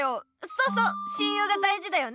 そうそう親友が大事だよね！